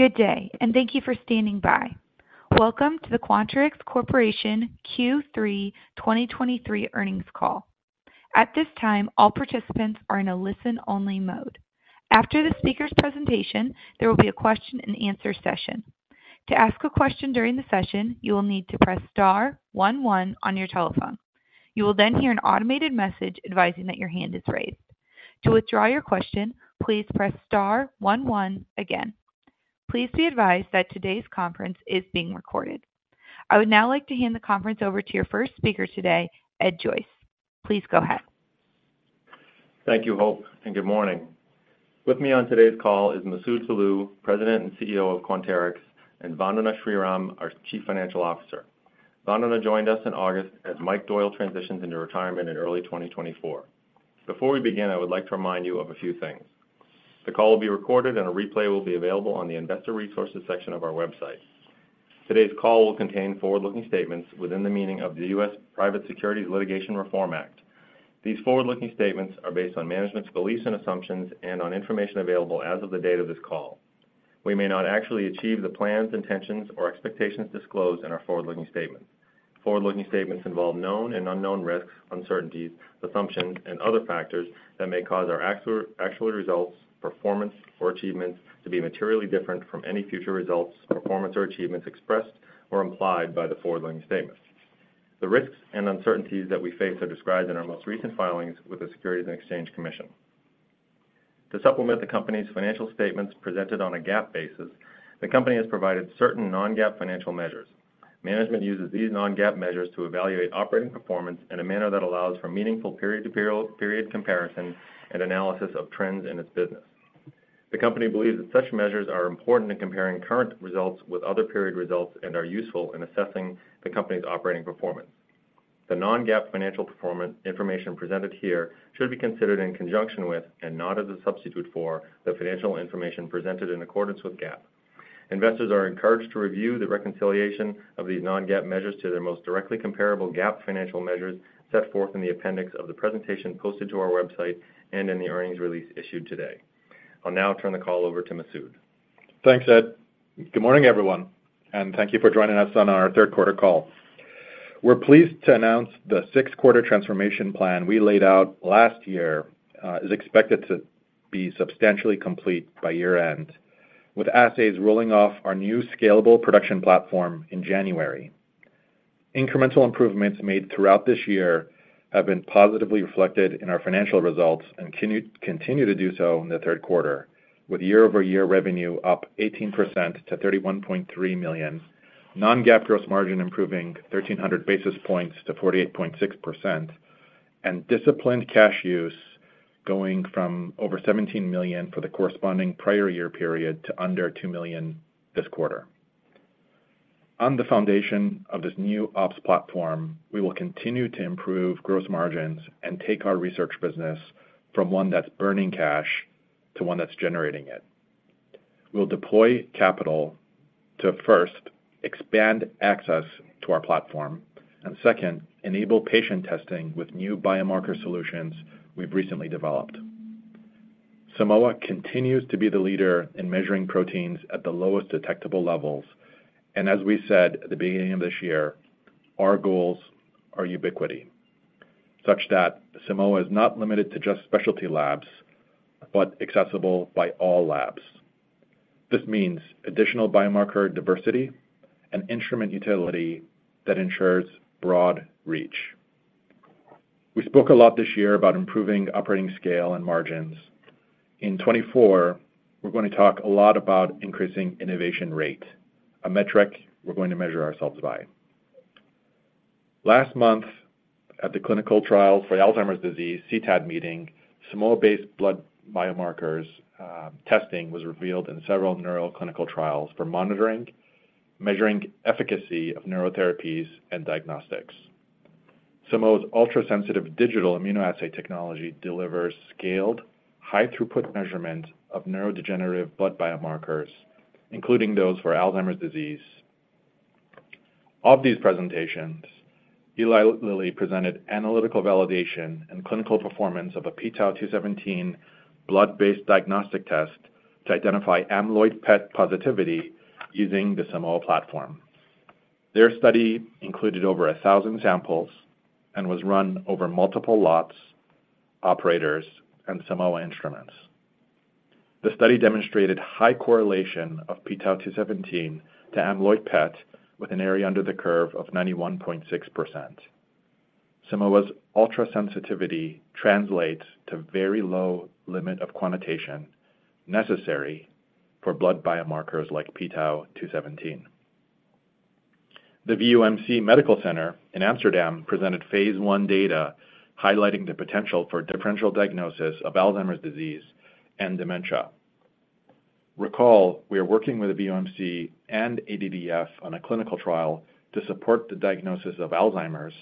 Good day, and thank you for standing by. Welcome to the Quanterix Corporation Q3 2023 Earnings Call. At this time, all participants are in a listen-only mode. After the speaker's presentation, there will be a question-and-answer session. To ask a question during the session, you will need to press star one one on your telephone. You will then hear an automated message advising that your hand is raised. To withdraw your question, please press star one one again. Please be advised that today's conference is being recorded. I would now like to hand the conference over to your first speaker today, Ed Joyce. Please go ahead. Thank you, Hope, and good morning. With me on today's call is Masoud Toloue, President and CEO of Quanterix, and Vandana Sriram, our Chief Financial Officer. Vandana joined us in August as Mike Doyle transitions into retirement in early 2024. Before we begin, I would like to remind you of a few things. The call will be recorded and a replay will be available on the Investor Resources section of our website. Today's call will contain forward-looking statements within the meaning of the US Private Securities Litigation Reform Act. These forward-looking statements are based on management's beliefs and assumptions and on information available as of the date of this call. We may not actually achieve the plans, intentions, or expectations disclosed in our forward-looking statements. Forward-looking statements involve known and unknown risks, uncertainties, assumptions, and other factors that may cause our actual, actual results, performance, or achievements to be materially different from any future results, performance, or achievements expressed or implied by the forward-looking statements. The risks and uncertainties that we face are described in our most recent filings with the Securities and Exchange Commission. To supplement the company's financial statements presented on a GAAP basis, the company has provided certain non-GAAP financial measures. Management uses these non-GAAP measures to evaluate operating performance in a manner that allows for meaningful period-to-period, period comparison and analysis of trends in its business. The company believes that such measures are important in comparing current results with other period results and are useful in assessing the company's operating performance. The non-GAAP financial performance information presented here should be considered in conjunction with, and not as a substitute for, the financial information presented in accordance with GAAP. Investors are encouraged to review the reconciliation of these non-GAAP measures to their most directly comparable GAAP financial measures set forth in the appendix of the presentation posted to our website and in the earnings release issued today. I'll now turn the call over to Masoud. Thanks, Ed. Good morning, everyone, and thank you for joining us on our third quarter call. We're pleased to announce the six-quarter transformation plan we laid out last year is expected to be substantially complete by year-end, with assays rolling off our new scalable production platform in January. Incremental improvements made throughout this year have been positively reflected in our financial results and continue to do so in the third quarter, with year-over-year revenue up 18% to $31.3 million, non-GAAP gross margin improving 1,300 basis points to 48.6%, and disciplined cash use going from over $17 million for the corresponding prior year period to under $2 million this quarter. On the foundation of this new ops platform, we will continue to improve gross margins and take our research business from one that's burning cash to one that's generating it. We'll deploy capital to, first, expand access to our platform, and second, enable patient testing with new biomarker solutions we've recently developed. Simoa continues to be the leader in measuring proteins at the lowest detectable levels, and as we said at the beginning of this year, our goals are ubiquity, such that Simoa is not limited to just specialty labs, but accessible by all labs. This means additional biomarker diversity and instrument utility that ensures broad reach. We spoke a lot this year about improving operating scale and margins. In 2024, we're going to talk a lot about increasing innovation rate, a metric we're going to measure ourselves by. Last month, at the Clinical Trials on Alzheimer's Disease, CTAD meeting, Simoa-based blood biomarkers testing was revealed in several neuroclinical trials for monitoring, measuring efficacy of neurotherapies, and diagnostics. Simoa's ultrasensitive digital immunoassay technology delivers scaled, high-throughput measurement of neurodegenerative blood biomarkers, including those for Alzheimer's disease. Of these presentations, Eli Lilly presented analytical validation and clinical performance of a p-tau 217 blood-based diagnostic test to identify amyloid PET positivity using the Simoa platform. Their study included over 1,000 samples and was run over multiple lots, operators, and Simoa instruments. The study demonstrated high correlation of p-tau 217 to amyloid PET, with an area under the curve of 91.6%. Simoa's ultrasensitivity translates to very low limit of quantitation necessary for blood biomarkers like p-tau 217. The VUmc Medical Center in Amsterdam presented phase 1 data highlighting the potential for differential diagnosis of Alzheimer's disease and dementia. Recall, we are working with the VUmc and ADDF on a clinical trial to support the diagnosis of Alzheimer's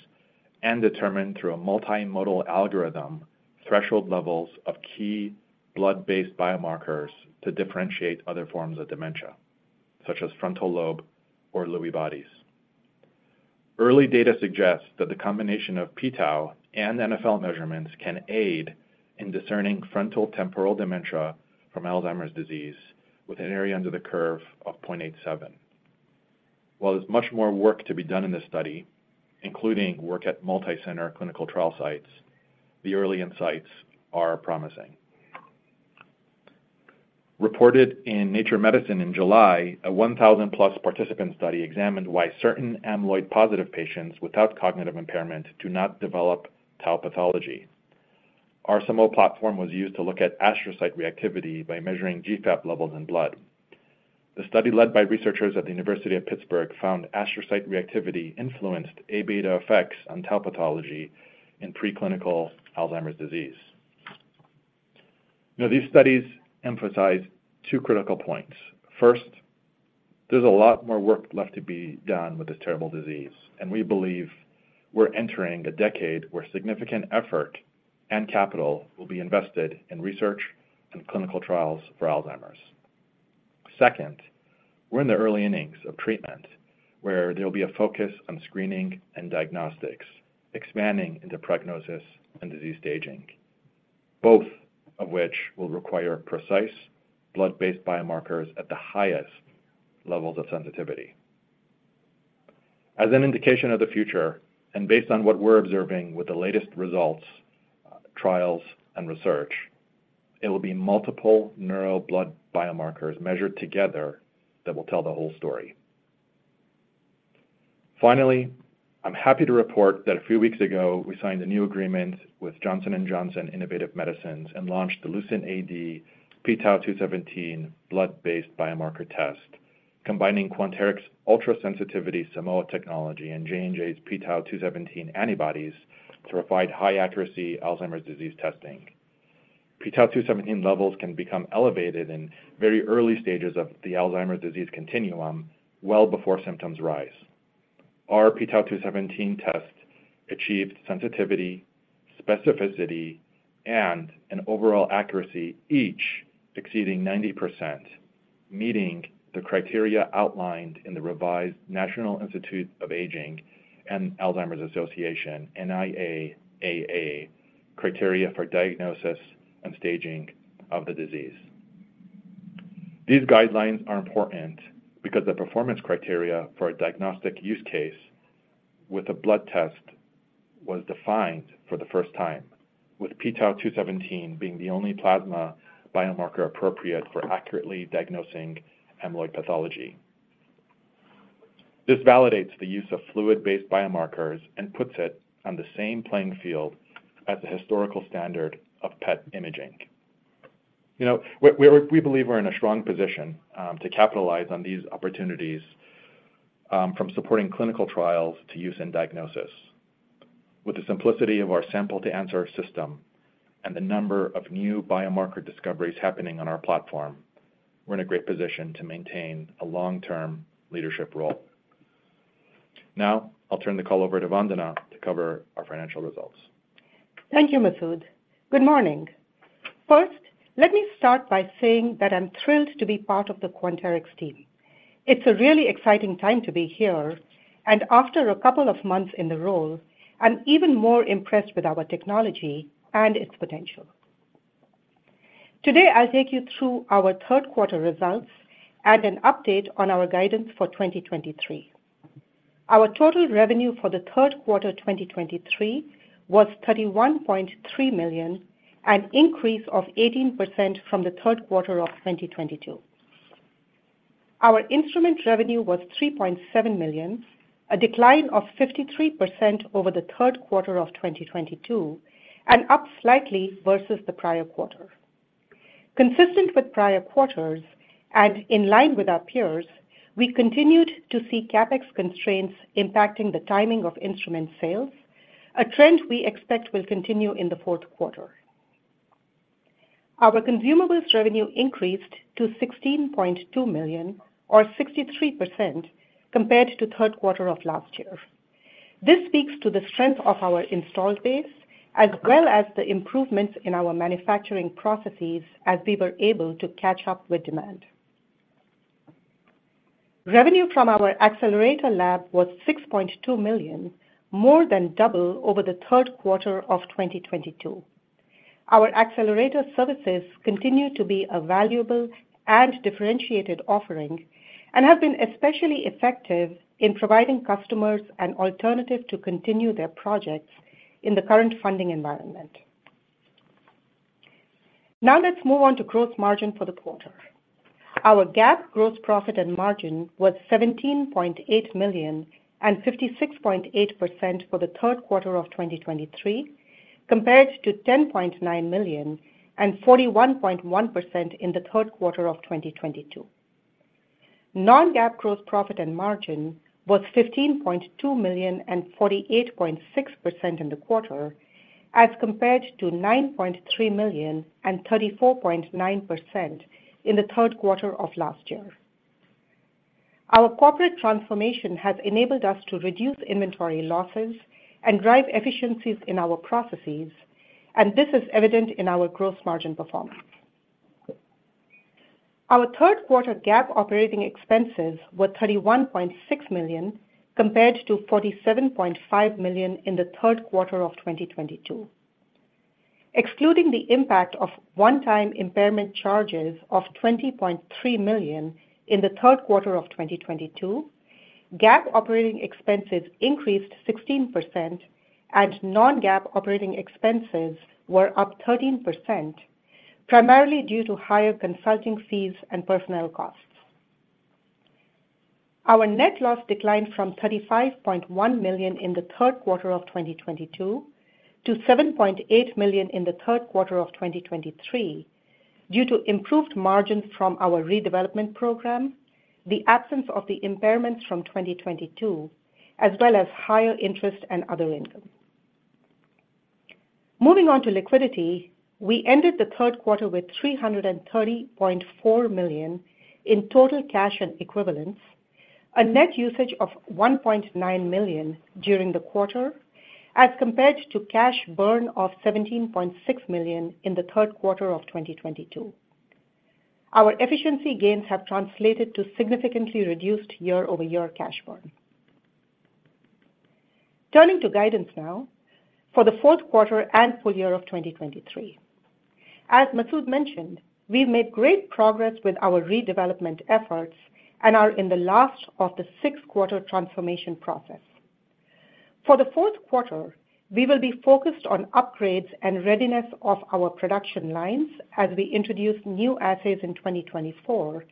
and determine, through a multimodal algorithm, threshold levels of key blood-based biomarkers to differentiate other forms of dementia, such as frontal lobe or Lewy bodies. Early data suggests that the combination of p-tau and NfL measurements can aid in discerning frontotemporal dementia from Alzheimer's disease, with an area under the curve of 0.87. While there's much more work to be done in this study, including work at multi-center clinical trial sites, the early insights are promising. Reported in Nature Medicine in July, a 1,000+ participant study examined why certain amyloid-positive patients without cognitive impairment do not develop tau pathology. Our Simoa platform was used to look at astrocyte reactivity by measuring GFAP levels in blood. The study, led by researchers at the University of Pittsburgh, found astrocyte reactivity influenced Aβ effects on tau pathology in preclinical Alzheimer's disease. Now, these studies emphasize two critical points. First, there's a lot more work left to be done with this terrible disease, and we believe we're entering a decade where significant effort and capital will be invested in research and clinical trials for Alzheimer's. Second, we're in the early innings of treatment, where there will be a focus on screening and diagnostics, expanding into prognosis and disease staging, both of which will require precise blood-based biomarkers at the highest levels of sensitivity. As an indication of the future, and based on what we're observing with the latest results, trials, and research, it will be multiple neuro blood biomarkers measured together that will tell the whole story. Finally, I'm happy to report that a few weeks ago, we signed a new agreement with J&J Innovative Medicine and launched the LucentAD p-tau 217 blood-based biomarker test, combining Quanterix ultra-sensitive Simoa technology and J&J's p-tau 217 antibodies to provide high accuracy Alzheimer's disease testing. p-tau 217 levels can become elevated in very early stages of the Alzheimer's disease continuum, well before symptoms rise. Our p-tau 217 test achieved sensitivity, specificity, and an overall accuracy, each exceeding 90%, meeting the criteria outlined in the revised National Institute on Aging and Alzheimer's Association, NIA-AA, criteria for diagnosis and staging of the disease. These guidelines are important because the performance criteria for a diagnostic use case with a blood test was defined for the first time, with p-tau 217 being the only plasma biomarker appropriate for accurately diagnosing amyloid pathology. This validates the use of fluid-based biomarkers and puts it on the same playing field as the historical standard of PET imaging. You know, we believe we're in a strong position to capitalize on these opportunities from supporting clinical trials to use in diagnosis. With the simplicity of our sample-to-answer system and the number of new biomarker discoveries happening on our platform, we're in a great position to maintain a long-term leadership role. Now, I'll turn the call over to Vandana to cover our financial results. Thank you, Masoud. Good morning. First, let me start by saying that I'm thrilled to be part of the Quanterix team. It's a really exciting time to be here, and after a couple of months in the role, I'm even more impressed with our technology and its potential. Today, I'll take you through our third quarter results and an update on our guidance for 2023. Our total revenue for the third quarter 2023 was $31.3 million, an increase of 18% from the third quarter of 2022. Our instrument revenue was $3.7 million, a decline of 53% over the third quarter of 2022, and up slightly versus the prior quarter. Consistent with prior quarters and in line with our peers, we continued to see CapEx constraints impacting the timing of instrument sales, a trend we expect will continue in the fourth quarter. Our consumables revenue increased to $16.2 million, or 63%, compared to third quarter of last year. This speaks to the strength of our installed base, as well as the improvements in our manufacturing processes as we were able to catch up with demand. Revenue from our accelerator lab was $6.2 million, more than double over the third quarter of 2022. Our accelerator services continue to be a valuable and differentiated offering and have been especially effective in providing customers an alternative to continue their projects in the current funding environment. Now, let's move on to gross margin for the quarter. Our GAAP gross profit and margin was $17.8 million and 56.8% for the third quarter of 2023, compared to $10.9 million and 41.1% in the third quarter of 2022. Non-GAAP gross profit and margin was $15.2 million and 48.6% in the quarter, as compared to $9.3 million and 34.9% in the third quarter of last year. Our corporate transformation has enabled us to reduce inventory losses and drive efficiencies in our processes, and this is evident in our gross margin performance.... Our third quarter GAAP operating expenses were $31.6 million, compared to $47.5 million in the third quarter of 2022. Excluding the impact of one-time impairment charges of $20.3 million in the third quarter of 2022, GAAP operating expenses increased 16%, and non-GAAP operating expenses were up 13%, primarily due to higher consulting fees and personnel costs. Our net loss declined from $35.1 million in the third quarter of 2022 to $7.8 million in the third quarter of 2023, due to improved margins from our redevelopment program, the absence of the impairments from 2022, as well as higher interest and other income. Moving on to liquidity, we ended the third quarter with $330.4 million in total cash and equivalents, a net usage of $1.9 million during the quarter, as compared to cash burn of $17.6 million in the third quarter of 2022. Our efficiency gains have translated to significantly reduced year-over-year cash burn. Turning to guidance now for the fourth quarter and full year of 2023. As Masoud mentioned, we've made great progress with our redevelopment efforts and are in the last of the 6-quarter transformation process. For the fourth quarter, we will be focused on upgrades and readiness of our production lines as we introduce new assays in 2024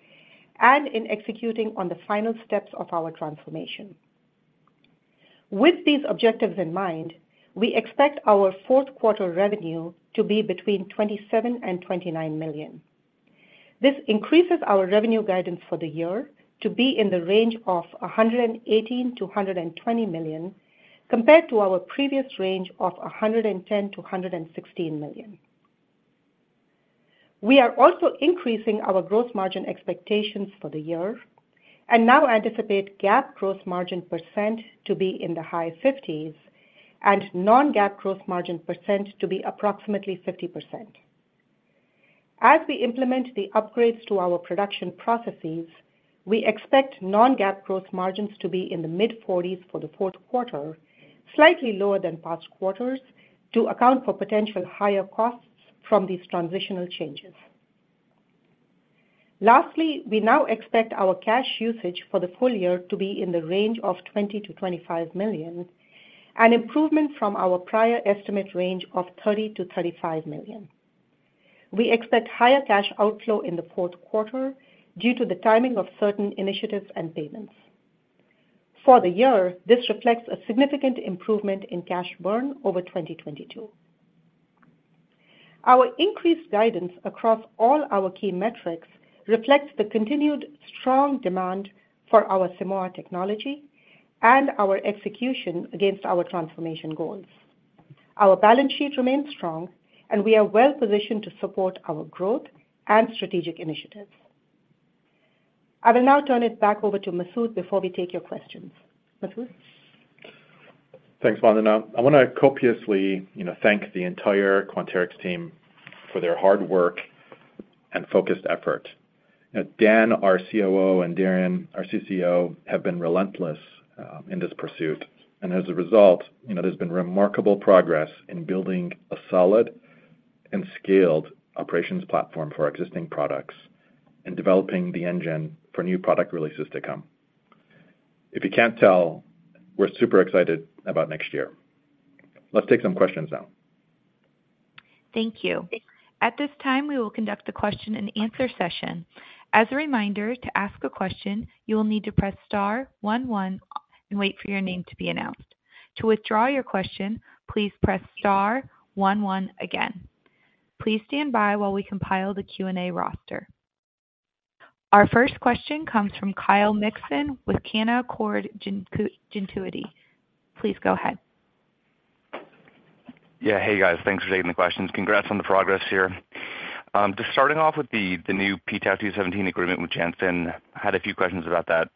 and in executing on the final steps of our transformation. With these objectives in mind, we expect our fourth quarter revenue to be between $27 million-$29 million. This increases our revenue guidance for the year to be in the range of $118 million-$120 million, compared to our previous range of $110 million-$116 million. We are also increasing our gross margin expectations for the year and now anticipate GAAP gross margin percent to be in the high 50s and non-GAAP gross margin percent to be approximately 50%. As we implement the upgrades to our production processes, we expect non-GAAP gross margin to be in the mid-40s for the fourth quarter, slightly lower than past quarters, to account for potential higher costs from these transitional changes. Lastly, we now expect our cash usage for the full year to be in the range of $20-$25 million, an improvement from our prior estimate range of $30-$35 million. We expect higher cash outflow in the fourth quarter due to the timing of certain initiatives and payments. For the year, this reflects a significant improvement in cash burn over 2022. Our increased guidance across all our key metrics reflects the continued strong demand for our Simoa technology and our execution against our transformation goals. Our balance sheet remains strong, and we are well positioned to support our growth and strategic initiatives. I will now turn it back over to Masoud before we take your questions. Masoud? Thanks, Vandana. I want to copiously, you know, thank the entire Quanterix team for their hard work and focused effort. Dan, our COO, and Darren, our CCO, have been relentless in this pursuit, and as a result, you know, there's been remarkable progress in building a solid and scaled operations platform for our existing products and developing the engine for new product releases to come. If you can't tell, we're super excited about next year. Let's take some questions now. Thank you. At this time, we will conduct a question-and-answer session. As a reminder, to ask a question, you will need to press star one one and wait for your name to be announced. To withdraw your question, please press star one one again. Please stand by while we compile the Q&A roster. Our first question comes from Kyle Mikson with Canaccord Genuity. Please go ahead. Yeah. Hey, guys. Thanks for taking the questions. Congrats on the progress here. Just starting off with the new p-tau 217 agreement with Janssen, I had a few questions about that.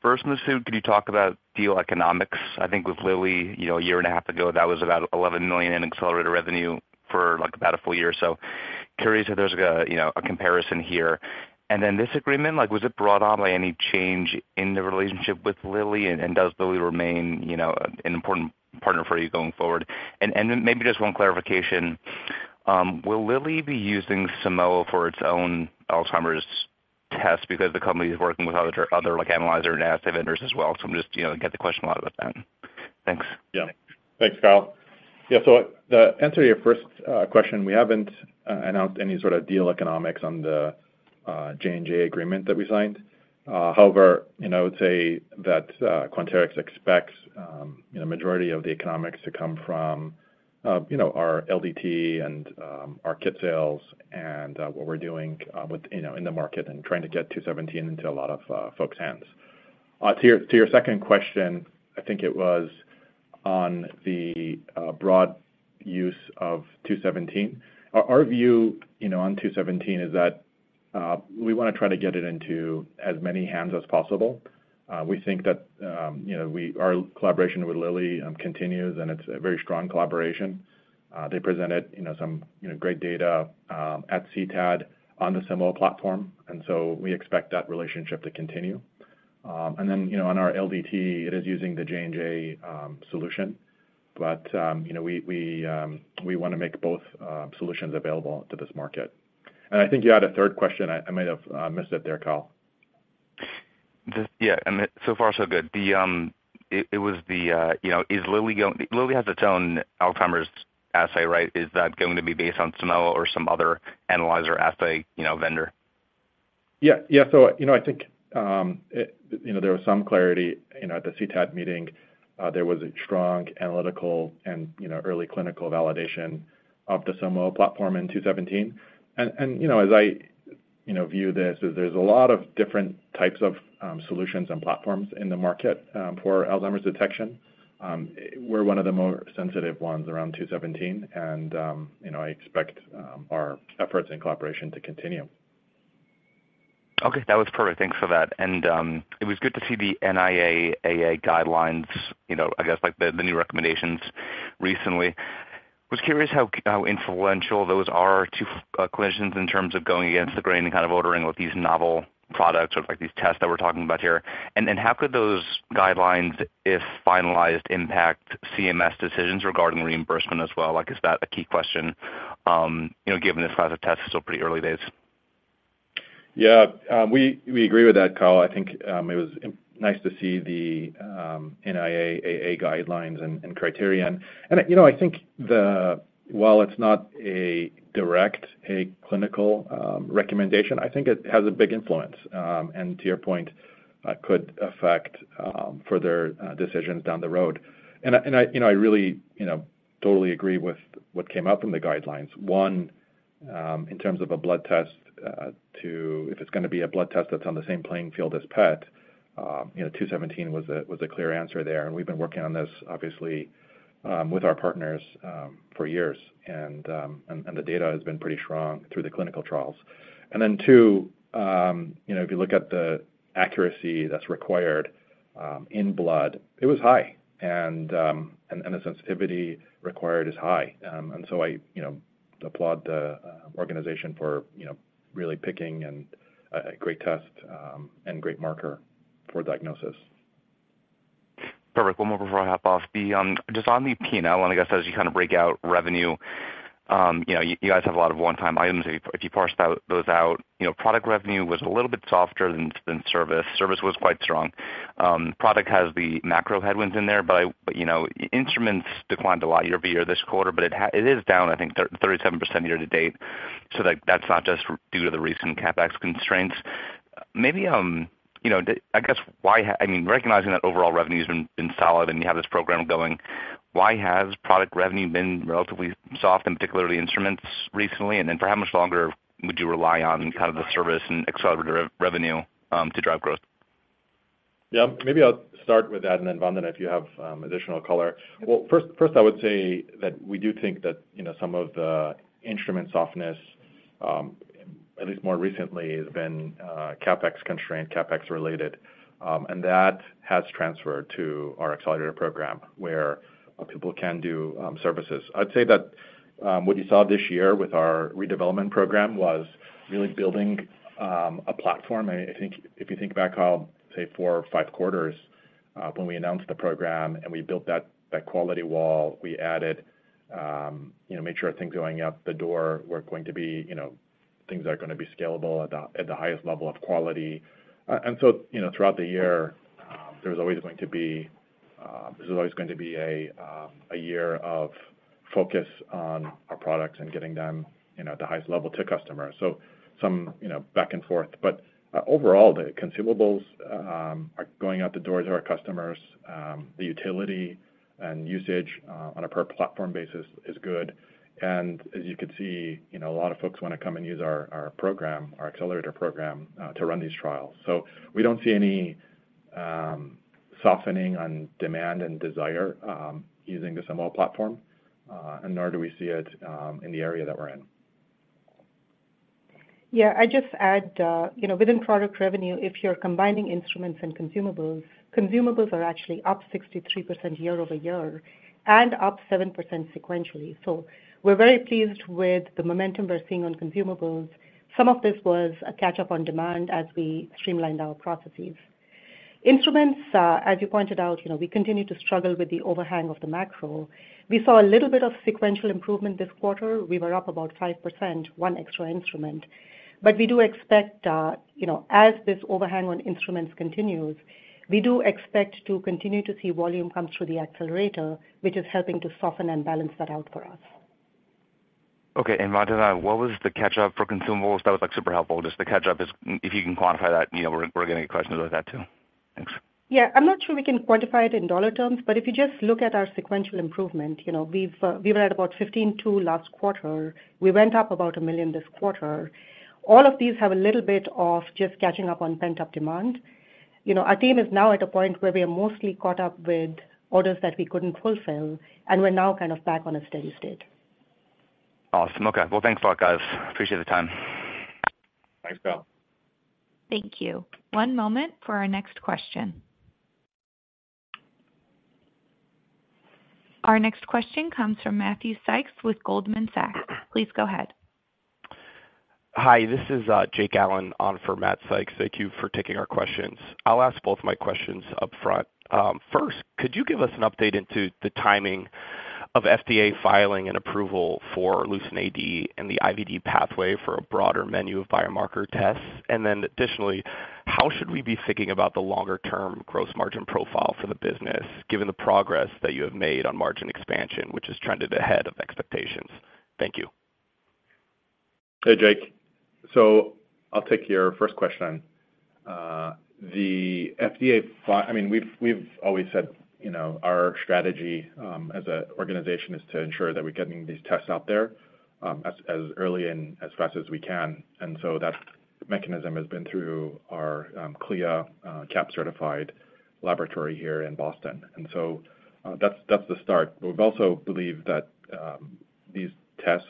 First, Masoud, could you talk about deal economics? I think with Lilly, you know, a year and a half ago, that was about $11 million in accelerated revenue for, like, about a full year or so. Curious if there's a, you know, a comparison here. And then this agreement, like, was it brought on by any change in the relationship with Lilly? And does Lilly remain, you know, an important partner for you going forward? And then maybe just one clarification, will Lilly be using Simoa for its own Alzheimer's test because the company is working with other, like, analyzer and assay vendors as well? I'm just, you know, get the question a lot about that. Thanks. Yeah. Thanks, Kyle. Yeah, so to answer your first question, we haven't announced any sort of deal economics on the J&J agreement that we signed. However, you know, I would say that Quanterix expects the majority of the economics to come from, you know, our LDT and our kit sales and what we're doing with, you know, in the market and trying to get 217 into a lot of folks' hands. To your second question, I think it was on the broad use of 217. Our view, you know, on 217 is that we wanna try to get it into as many hands as possible. We think that, you know, we... Our collaboration with Lilly continues, and it's a very strong collaboration. They presented, you know, some, you know, great data at CTAD on the Simoa platform, and so we expect that relationship to continue. And then, you know, on our LDT, it is using the J&J solution. But, you know, we want to make both solutions available to this market. And I think you had a third question. I might have missed it there, Kyle. Just, yeah, and so far, so good. The, it was the, you know, is Lilly going— Lilly has its own Alzheimer's assay, right? Is that going to be based on Simoa or some other analyzer assay, you know, vendor? Yeah. Yeah. So, you know, I think, it, you know, there was some clarity, you know, at the CTAD meeting. There was a strong analytical and early clinical validation of the Simoa platform in 217. And, you know, as I view this, is there's a lot of different types of solutions and platforms in the market for Alzheimer's detection. We're one of the more sensitive ones around 217, and, you know, I expect our efforts and collaboration to continue. Okay, that was perfect. Thanks for that. And it was good to see the NIA-AA guidelines, you know, I guess, like, the new recommendations recently. Was curious how influential those are to clinicians in terms of going against the grain and kind of ordering with these novel products or like these tests that we're talking about here? And how could those guidelines, if finalized, impact CMS decisions regarding reimbursement as well? Like, is that a key question, you know, given this class of tests is still pretty early days? Yeah. We agree with that, Kyle. I think it was nice to see the NIA-AA guidelines and criteria. You know, I think while it's not a direct clinical recommendation, I think it has a big influence and to your point could affect further decisions down the road. And I you know I really you know totally agree with what came out from the guidelines. One in terms of a blood test. If it's gonna be a blood test that's on the same playing field as PET, you know, 217 was a clear answer there, and we've been working on this, obviously, with our partners for years. And the data has been pretty strong through the clinical trials. And then two, you know, if you look at the accuracy that's required in blood, it was high, and the sensitivity required is high. And so I, you know, applaud the organization for, you know, really picking a great test and great marker for diagnosis. Perfect. One more before I hop off. The just on the P&L, and I guess as you kind of break out revenue, you know, you guys have a lot of one-time items. If you parse out those, you know, product revenue was a little bit softer than service. Service was quite strong. Product has the macro headwinds in there, but, you know, instruments declined a lot year-over-year this quarter, but it is down, I think, 37% year-to-date, so that's not just due to the recent CapEx constraints. Maybe, you know, I guess why—I mean, recognizing that overall revenue has been solid, and you have this program going, why has product revenue been relatively soft, and particularly instruments recently? Then, for how much longer would you rely on kind of the service and accelerator revenue to drive growth? Yeah. Maybe I'll start with that, and then, Vandana, if you have additional color. Well, first, I would say that we do think that, you know, some of the instrument softness, at least more recently, has been CapEx constrained, CapEx related. And that has transferred to our accelerator program, where people can do services. I'd say that what you saw this year with our redevelopment program was really building a platform. I think if you think back, Kyle, say, 4 or 5 quarters, when we announced the program and we built that quality wall, we added, you know, made sure things going out the door were going to be, you know, things that are gonna be scalable at the highest level of quality. And so, you know, throughout the year, there's always going to be, there's always going to be a, a year of focus on our products and getting them, you know, at the highest level to customers. So some, you know, back and forth. But, overall, the consumables are going out the doors of our customers. The utility and usage on a per platform basis is good. And as you can see, you know, a lot of folks want to come and use our, our program, our accelerator program, to run these trials. So we don't see any softening on demand and desire using the Simoa platform, and nor do we see it in the area that we're in. Yeah, I'd just add, you know, within product revenue, if you're combining instruments and consumables, consumables are actually up 63% year-over-year and up 7% sequentially. So we're very pleased with the momentum we're seeing on consumables. Some of this was a catch-up on demand as we streamlined our processes. Instruments, as you pointed out, you know, we continue to struggle with the overhang of the macro. We saw a little bit of sequential improvement this quarter. We were up about 5%, 1 extra instrument. But we do expect, you know, as this overhang on instruments continues, we do expect to continue to see volume come through the accelerator, which is helping to soften and balance that out for us. Okay. Vandana, what was the catch-up for consumables? That was, like, super helpful. Just the catch-up is, if you can quantify that, you know, we're getting questions about that, too. Thanks. Yeah, I'm not sure we can quantify it in dollar terms, but if you just look at our sequential improvement, you know, we were at about $15.2 last quarter. We went up about $1 million this quarter. All of these have a little bit of just catching up on pent-up demand. You know, our team is now at a point where we are mostly caught up with orders that we couldn't fulfill, and we're now kind of back on a steady state. Awesome. Okay. Well, thanks a lot, guys. Appreciate the time. Thanks, Kyle. Thank you. One moment for our next question. Our next question comes from Matthew Sykes with Goldman Sachs. Please go ahead. Hi, this is Jake Allen on for Matt Sykes. Thank you for taking our questions. I'll ask both my questions up front. First, could you give us an update into the timing of FDA filing and approval for LucentAD and the IVD pathway for a broader menu of biomarker tests? And then additionally, how should we be thinking about the longer-term gross margin profile for the business, given the progress that you have made on margin expansion, which has trended ahead of expectations? Thank you. Hey, Jake. So I'll take your first question. The FDA, I mean, we've, we've always said, you know, our strategy as an organization is to ensure that we're getting these tests out there as early and as fast as we can. And so that mechanism has been through our CLIA, CAP-certified laboratory here in Boston. And so that's, that's the start. We've also believed that these tests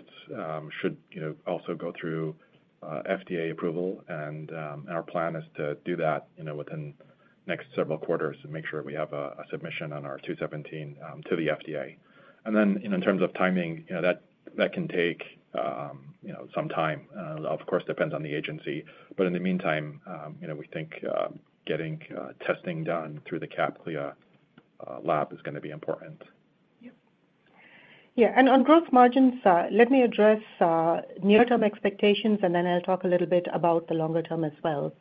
should, you know, also go through FDA approval, and our plan is to do that, you know, within the next several quarters and make sure we have a, a submission on our 217 to the FDA. And then, in terms of timing, you know, that can take some time, of course, depends on the agency. But in the meantime, you know, we think getting testing done through the CAP CLIA lab is going to be important. Yeah, and on gross margins, let me address near-term expectations, and then I'll talk a little bit about the longer term as well.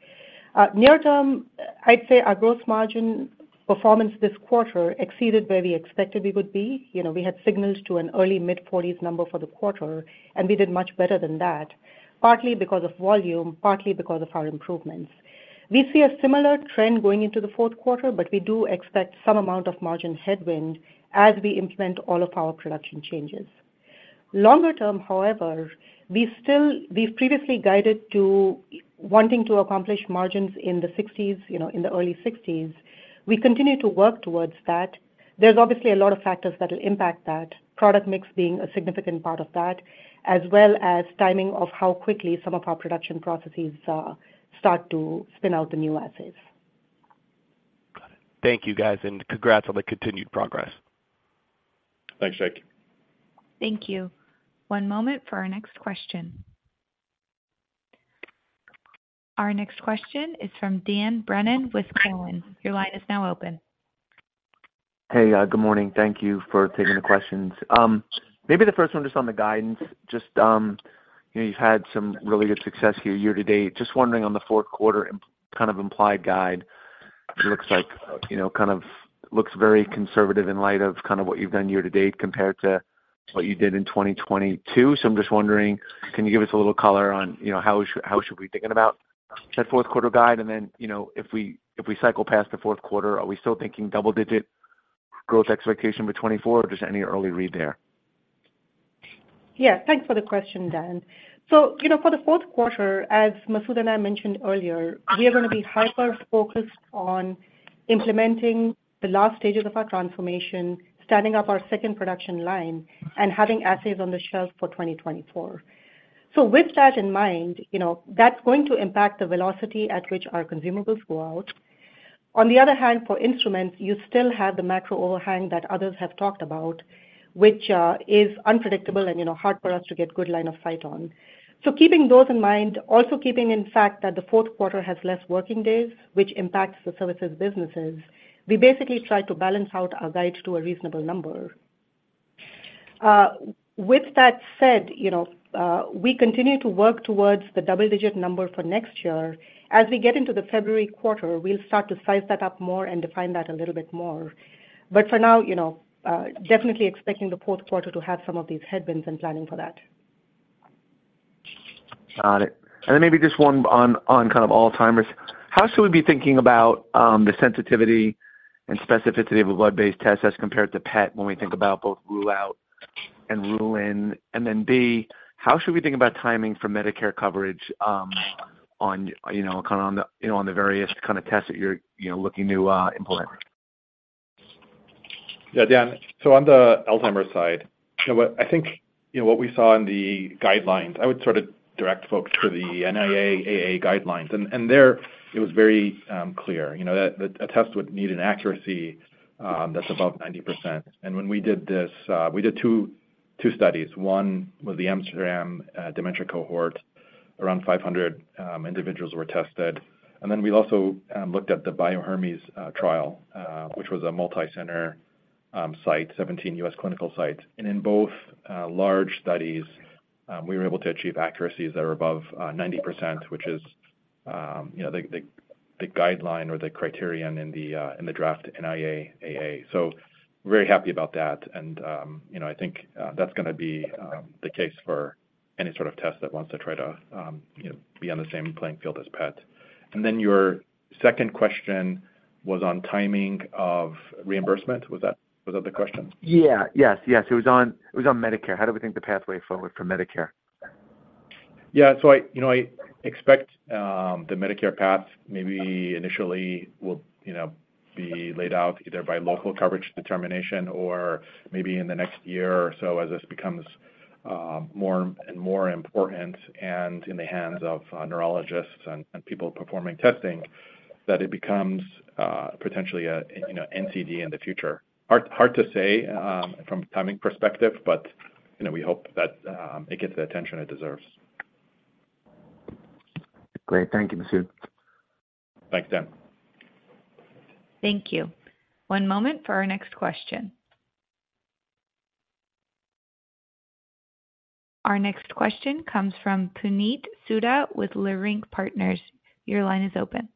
Near term, I'd say our gross margin performance this quarter exceeded where we expected we would be. You know, we had signals to an early-mid 40s number for the quarter, and we did much better than that, partly because of volume, partly because of our improvements. We see a similar trend going into the fourth quarter, but we do expect some amount of margin headwind as we implement all of our production changes. Longer term, however, we've previously guided to wanting to accomplish margins in the 60s, you know, in the early 60s. We continue to work towards that. There's obviously a lot of factors that will impact that, product mix being a significant part of that, as well as timing of how quickly some of our production processes start to spin out the new assays. Got it. Thank you, guys, and congrats on the continued progress. Thanks, Jake. Thank you. One moment for our next question. Our next question is from Dan Brennan with Cowen. Your line is now open. Hey, good morning. Thank you for taking the questions. Maybe the first one, just on the guidance, just, you know, you've had some really good success here year to date. Just wondering, on the fourth quarter, implied guide, looks like, you know, kind of looks very conservative in light of kind of what you've done year to date compared to what you did in 2022. So I'm just wondering, can you give us a little color on, you know, how should we be thinking about that fourth quarter guide? And then, you know, if we cycle past the fourth quarter, are we still thinking double-digit growth expectation for 2024, or just any early read there? Yeah, thanks for the question, Dan. So, you know, for the fourth quarter, as Masoud and I mentioned earlier, we are going to be hyper-focused on implementing the last stages of our transformation, standing up our second production line, and having assays on the shelf for 2024. So with that in mind, you know, that's going to impact the velocity at which our consumables go out. On the other hand, for instruments, you still have the macro overhang that others have talked about, which is unpredictable and, you know, hard for us to get good line of sight on. So keeping those in mind, also keeping in fact that the fourth quarter has less working days, which impacts the services businesses, we basically try to balance out our guide to a reasonable number. With that said, you know, we continue to work towards the double-digit number for next year. As we get into the February quarter, we'll start to size that up more and define that a little bit more. But for now, you know, definitely expecting the fourth quarter to have some of these headwinds and planning for that. Got it. And then maybe just one on kind of Alzheimer's. How should we be thinking about the sensitivity and specificity of a blood-based test as compared to PET, when we think about both rule out and rule in? And then B, how should we think about timing for Medicare coverage on, you know, kind of on the, you know, on the various kind of tests that you're, you know, looking to implement? Yeah, Dan, so on the Alzheimer's side, you know what? I think, you know, what we saw in the guidelines, I would sort of direct folks to the NIA-AA guidelines. And there it was very clear, you know, that a test would need an accuracy that's above 90%. And when we did this, we did two studies. One was the Amsterdam Dementia cohort. Around 500 individuals were tested. And then we also looked at the BioHERMES trial, which was a multicenter site, 17 US clinical sites. And in both large studies, we were able to achieve accuracies that are above 90%, which is, you know, the guideline or the criterion in the draft NIA-AA. So very happy about that. You know, I think that's going to be the case for any sort of test that wants to try to, you know, be on the same playing field as PET. And then your second question was on timing of reimbursement. Was that, was that the question? Yeah. Yes, yes, it was on, it was on Medicare. How do we think the pathway forward for Medicare? Yeah. So I, you know, I expect the Medicare path maybe initially will, you know, be laid out either by Local Coverage Determination or maybe in the next year or so as this becomes more and more important and in the hands of neurologists and people performing testing that it becomes potentially a, you know, NCD in the future. Hard, hard to say from timing perspective, but, you know, we hope that it gets the attention it deserves. Great. Thank you, Masoud. Thanks, Dan. Thank you. One moment for our next question. Our next question comes from Puneet Souda with Leerink Partners. Your line is open.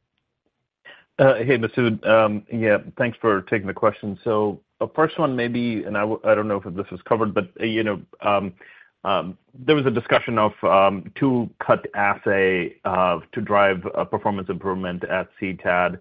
Hey, Masoud. Yeah, thanks for taking the question. So a first one maybe, and I don't know if this was covered, but, you know, there was a discussion of two-cut assay to drive a performance improvement at CTAD.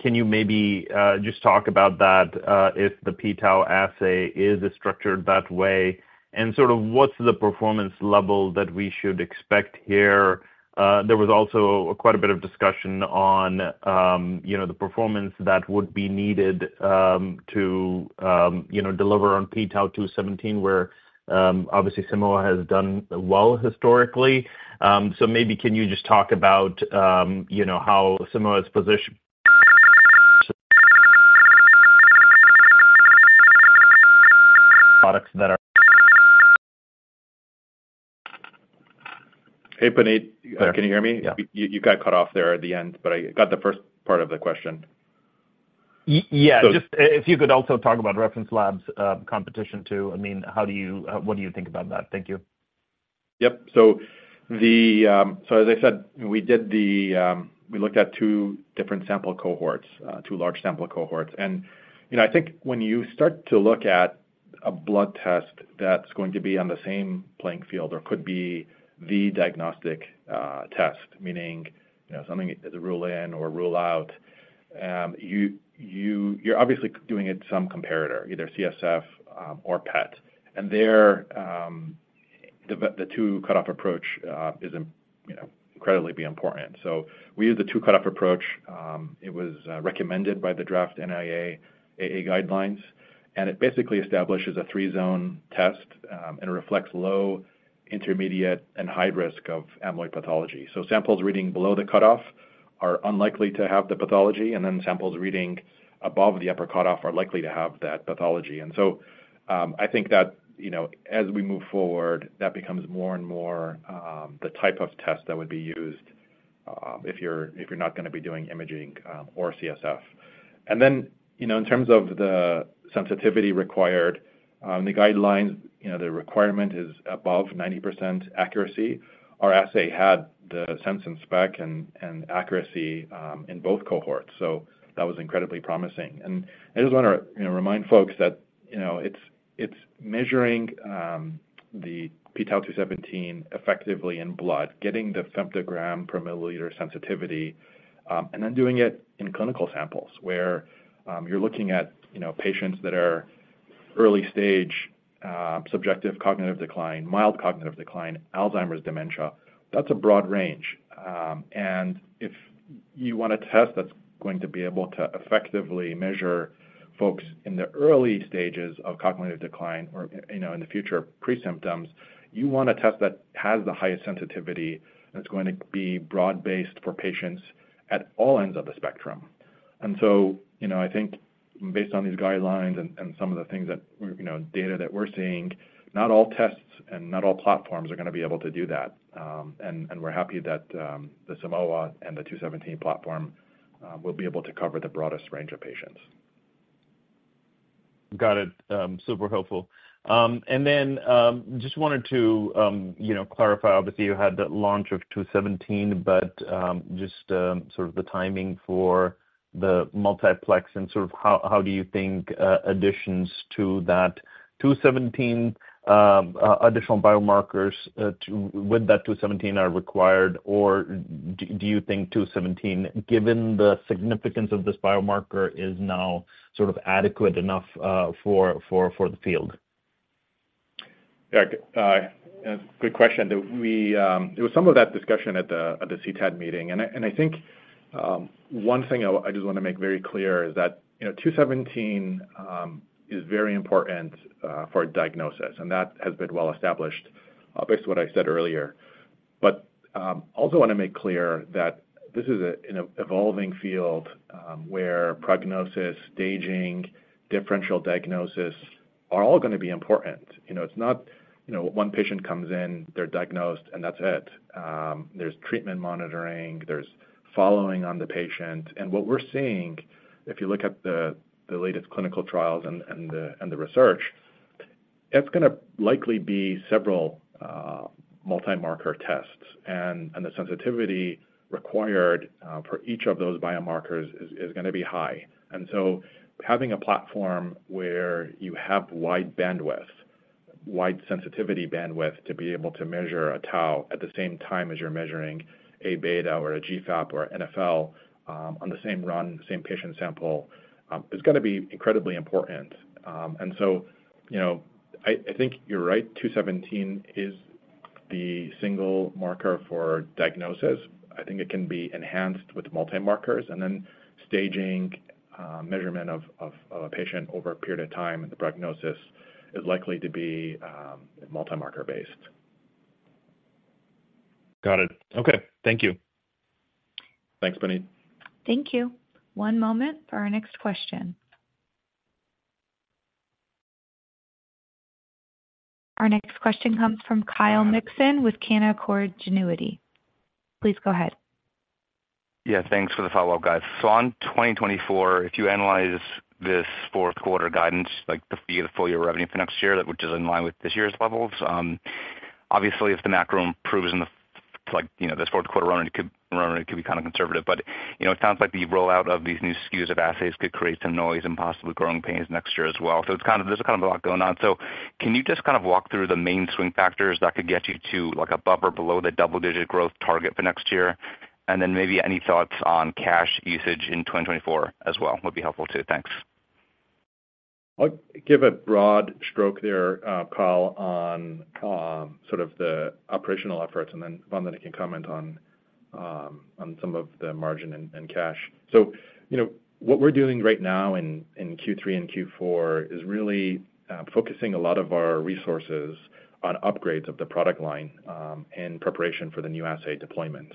Can you maybe just talk about that, if the p-tau assay is structured that way? And sort of what's the performance level that we should expect here? There was also quite a bit of discussion on, you know, the performance that would be needed to, you know, deliver on p-tau 217, where, obviously, Simoa has done well historically. So maybe can you just talk about, you know, how Simoa is positioned- products that are... Hey, Puneet, can you hear me? Yeah. You, you got cut off there at the end, but I got the first part of the question. Y- yeah. So- Just if you could also talk about reference labs, competition, too. I mean, how do you, what do you think about that? Thank you. Yep. So as I said, we looked at two different sample cohorts, two large sample cohorts. And, you know, I think when you start to look at a blood test that's going to be on the same playing field or could be the diagnostic test, meaning, you know, something to rule in or rule out, you're obviously doing it some comparator, either CSF or PET. And there, the two cutoff approach is, you know, incredibly important. So we use the two cutoff approach. It was recommended by the draft NIA-AA guidelines, and it basically establishes a three-zone test, and reflects low, intermediate, and high risk of amyloid pathology. Samples reading below the cutoff are unlikely to have the pathology, and then samples reading above the upper cutoff are likely to have that pathology. So, I think that, you know, as we move forward, that becomes more and more the type of test that would be used if you're not going to be doing imaging or CSF. Then, you know, in terms of the sensitivity required, the guidelines, you know, the requirement is above 90% accuracy. Our assay had the sense and spec and accuracy in both cohorts, so that was incredibly promising. I just want to, you know, remind folks that, you know, it's, it's measuring the p-tau 217 effectively in blood, getting the femtogram per milliliter sensitivity, and then doing it in clinical samples, where, you're looking at, you know, patients that are early stage, subjective cognitive decline, mild cognitive decline, Alzheimer's, dementia. That's a broad range. And if you want a test that's going to be able to effectively measure folks in the early stages of cognitive decline or, you know, in the future, pre-symptoms, you want a test that has the highest sensitivity, that's going to be broad-based for patients at all ends of the spectrum. And so, you know, I think based on these guidelines and some of the things that, you know, data that we're seeing, not all tests and not all platforms are going to be able to do that. And we're happy that the Simoa and the 217 platform will be able to cover the broadest range of patients. Got it. Super helpful. And then, just wanted to, you know, clarify, obviously, you had the launch of 217, but, just, sort of the timing for the multiplex and sort of how, how do you think, additions to that 217, additional biomarkers, to... With that 217 are required, or do, do you think 217, given the significance of this biomarker, is now sort of adequate enough, for, for, for the field? Yeah, good question. There was some of that discussion at the CTAD meeting, and I think, one thing I just want to make very clear is that, you know, 217 is very important for diagnosis, and that has been well established, based on what I said earlier. But, I also want to make clear that this is an evolving field, where prognosis, staging, differential diagnosis are all going to be important. You know, it's not, you know, one patient comes in, they're diagnosed, and that's it. There's treatment monitoring, there's following on the patient. And what we're seeing, if you look at the latest clinical trials and the research, it's going to likely be several multi-marker tests. The sensitivity required for each of those biomarkers is going to be high. And so having a platform where you have wide bandwidth, wide sensitivity bandwidth, to be able to measure a tau at the same time as you're measuring a beta or a GFAP or NfL on the same run, same patient sample is going to be incredibly important. You know, I think you're right, 217 is the single marker for diagnosis. I think it can be enhanced with multi-markers and then staging, measurement of a patient over a period of time, and the prognosis is likely to be multi-marker based. ... Got it. Okay, thank you. Thanks, Puneet. Thank you. One moment for our next question. Our next question comes from Kyle Mikson with Canaccord Genuity. Please go ahead. Yeah, thanks for the follow-up, guys. So on 2024, if you analyze this fourth quarter guidance, like, the full year revenue for next year, which is in line with this year's levels, obviously, if the macro improves in the, like, you know, this fourth quarter run, it could run, it could be kind of conservative. But, you know, it sounds like the rollout of these new SKUs of assays could create some noise and possibly growing pains next year as well. So it's kind of, there's kind of a lot going on. So can you just kind of walk through the main swing factors that could get you to, like, above or below the double-digit growth target for next year? And then maybe any thoughts on cash usage in 2024 as well would be helpful too. Thanks. I'll give a broad stroke there, Kyle, on sort of the operational efforts, and then Vandana can comment on some of the margin and cash. So, you know, what we're doing right now in Q3 and Q4 is really focusing a lot of our resources on upgrades of the product line in preparation for the new assay deployments.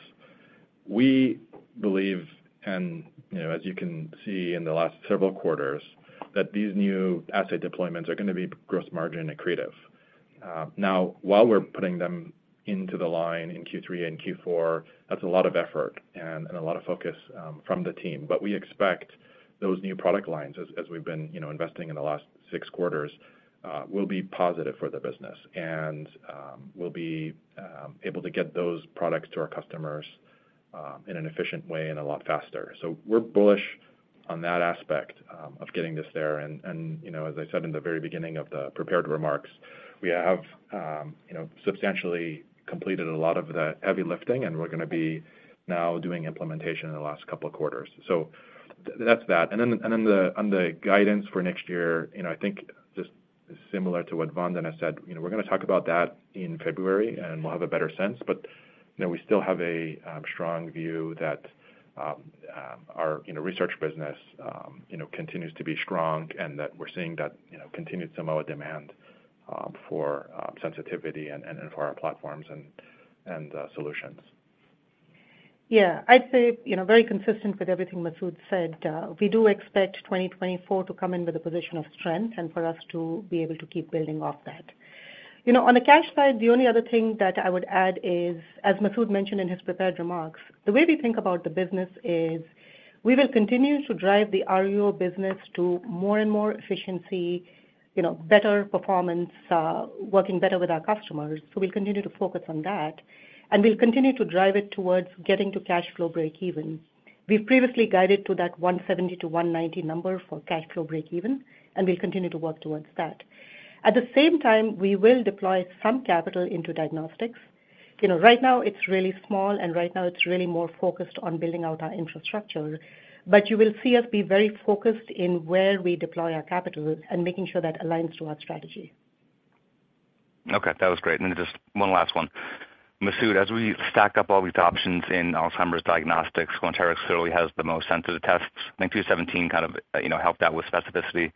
We believe, and you know, as you can see in the last several quarters, that these new assay deployments are going to be gross margin accretive. Now, while we're putting them into the line in Q3 and Q4, that's a lot of effort and a lot of focus from the team. But we expect those new product lines, as we've been, you know, investing in the last six quarters, will be positive for the business. And, we'll be able to get those products to our customers in an efficient way and a lot faster. So we're bullish on that aspect of getting this there. And, you know, as I said in the very beginning of the prepared remarks, we have, you know, substantially completed a lot of the heavy lifting, and we're going to be now doing implementation in the last couple of quarters. So that's that. And then, the on the guidance for next year, you know, I think just similar to what Vandana said, you know, we're going to talk about that in February, and we'll have a better sense. But, you know, we still have a strong view that our, you know, research business, you know, continues to be strong and that we're seeing that, you know, continued similar demand for sensitivity and for our platforms and solutions. Yeah. I'd say, you know, very consistent with everything Masoud said, we do expect 2024 to come in with a position of strength and for us to be able to keep building off that. You know, on the cash side, the only other thing that I would add is, as Masoud mentioned in his prepared remarks, the way we think about the business is we will continue to drive the RUO business to more and more efficiency, you know, better performance, working better with our customers. So we'll continue to focus on that, and we'll continue to drive it towards getting to cash flow breakeven. We've previously guided to that 170-190 number for cash flow breakeven, and we'll continue to work towards that. At the same time, we will deploy some capital into diagnostics. You know, right now it's really small, and right now it's really more focused on building out our infrastructure. But you will see us be very focused in where we deploy our capital and making sure that aligns to our strategy. Okay, that was great. Then just one last one. Masoud, as we stack up all these options in Alzheimer's diagnostics, Quanterix clearly has the most sensitive tests. I think 217 kind of, you know, helped out with specificity,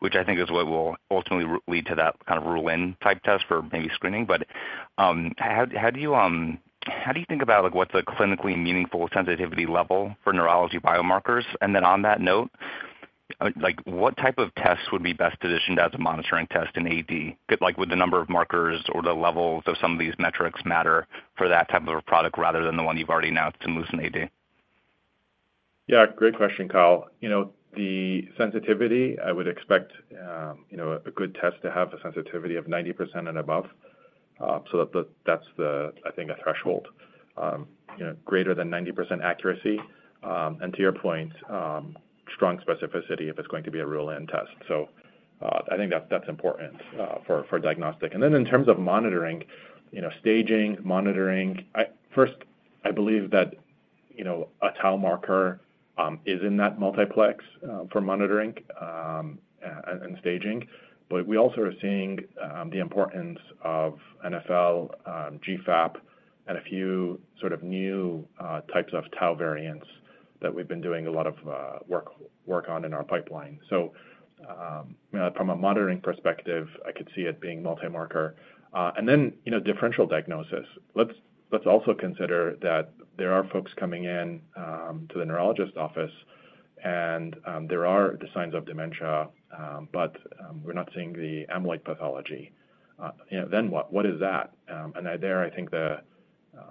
which I think is what will ultimately lead to that kind of rule-in type test for maybe screening. But how do you think about, like, what's a clinically meaningful sensitivity level for neurology biomarkers? And then on that note, like, what type of tests would be best positioned as a monitoring test in AD? Like, would the number of markers or the levels of some of these metrics matter for that type of a product rather than the one you've already announced to LucentAD? Yeah, great question, Kyle. You know, the sensitivity, I would expect, a good test to have a sensitivity of 90% and above. So that the... That's the, I think, a threshold, greater than 90% accuracy, and to your point, strong specificity if it's going to be a rule-in test. So, I think that's important, for diagnostics. And then in terms of monitoring, you know, staging, monitoring, first, I believe that, a tau marker is in that multiplex, for monitoring and staging. But we also are seeing the importance of NfL, GFAP, and a few sort of new types of tau variants that we've been doing a lot of work on in our pipeline. So, from a monitoring perspective, I could see it being multi-marker. And then, you know, differential diagnosis. Let's also consider that there are folks coming in to the neurologist office, and there are the signs of dementia, but we're not seeing the amyloid pathology. You know, then what? What is that? And there, I think the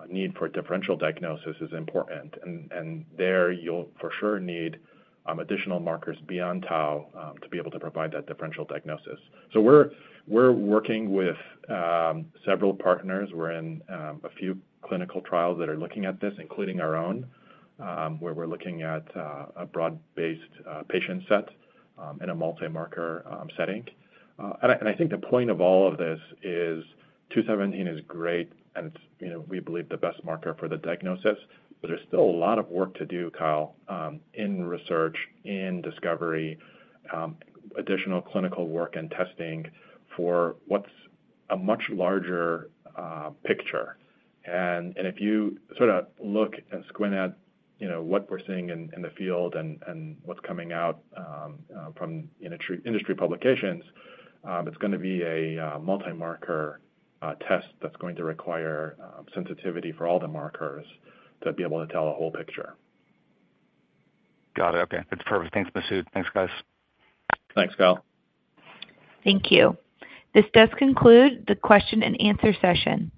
need for differential diagnosis is important. And there you'll for sure need additional markers beyond tau to be able to provide that differential diagnosis. So we're working with several partners. We're in a few clinical trials that are looking at this, including our own, where we're looking at a broad-based patient set in a multi-marker setting. And I think the point of all of this is 217 is great, and it's, you know, we believe, the best marker for the diagnosis, but there's still a lot of work to do, Kyle, in research, in discovery, additional clinical work and testing for what's a much larger picture. And if you sort of look and squint at, you know, what we're seeing in the field and what's coming out from industry publications, it's going to be a multi-marker test that's going to require sensitivity for all the markers to be able to tell a whole picture. Got it. Okay. That's perfect. Thanks, Masoud. Thanks, guys. Thanks, Kyle. Thank you. This does conclude the question and answer session.